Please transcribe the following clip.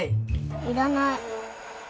要らない。